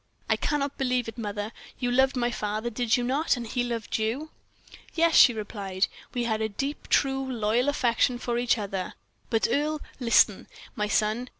"I cannot believe it, mother. You loved my father, did you not and he loved you?" "Yes," she replied, "we had a deep, true, loyal affection for each other, but, Earle, listen, my son.